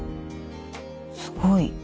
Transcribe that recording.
すごい。